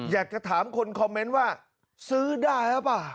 อยากจะถามคนคอมเมนต์ว่าซื้อได้หรือเปล่า